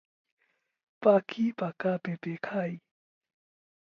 পাখি পাকা পেঁপে খাই।